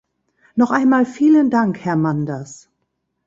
Noch einmal vielen Dank, Herr Manders.